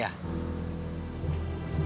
ya pak hamid kiting disingkat